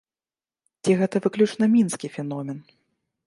Ці гэта выключна мінскі феномен?